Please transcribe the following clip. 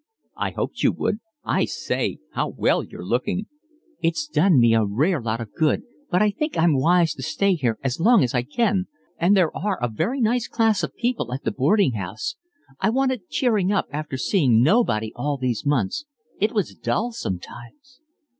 "I hoped you would. I say, how well you're looking." "It's done me a rare lot of good, but I think I'm wise to stay here as long as I can. And there are a very nice class of people at the boarding house. I wanted cheering up after seeing nobody all these months. It was dull sometimes."